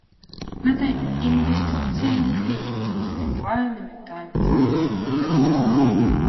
Гэта інвестыцыйны клімат уплывае на ментальнасць беларусаў.